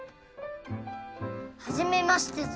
はじめましてぞ。